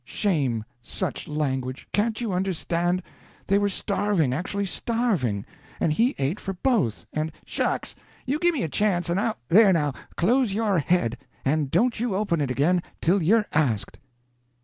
"Shame! Such language! Can't you understand? They were starving actually starving and he ate for both, and " "Shucks! you gimme a chance and I'll " "There, now close your head! and don't you open it again till you're asked."